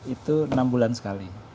itu enam bulan sekali